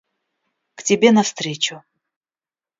К тебе навстречу.